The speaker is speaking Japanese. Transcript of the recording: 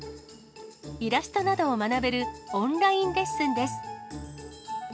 イラストなどを学べるオンラインレッスンです。